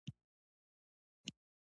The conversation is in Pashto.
هر لیکوال باید نوی فکر وړاندي کړي.